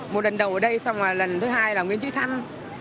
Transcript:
một lần đầu ở đây xong rồi lần thứ hai là nguyễn trí thăng